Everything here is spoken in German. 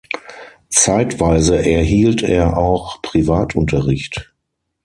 Zeitweise erhielt er auch Privatunterricht.